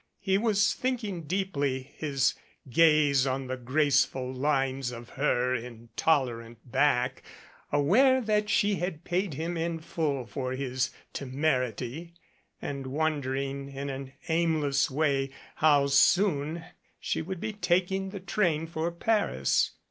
He was thinking deeply, his gaze on the graceful lines of her intolerant back, aware that she had paid him in full for his temerity, and wondering in an aimless way how soon she would be taking the train for Paris.